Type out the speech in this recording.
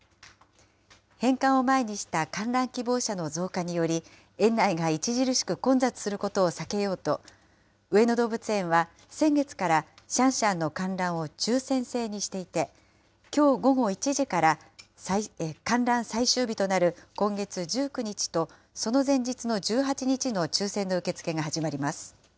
返還を前にした観覧希望者の増加により、園内が著しく混雑することを避けようと、上野動物園は、先月からシャンシャンの観覧を抽せん制にしていて、きょう午後１時から、観覧最終日となる今月１９日と、その前日の１８日の抽せんの受け付けが始まります。